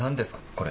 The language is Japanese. これ。